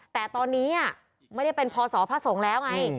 แต่ตอนนี้หมดล็อดไม่ได้เป็นพสพระสงพ์แล้วไง